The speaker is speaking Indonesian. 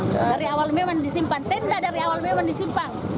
dari awal memang disimpan tenda dari awal memang disimpang